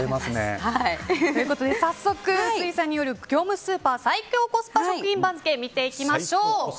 早速、臼井さんによる業務スーパー最強コスパ食品番付見ていきましょう。